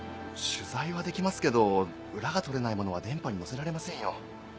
取材はできますけど裏が取れないものは電波に乗せられませんよ。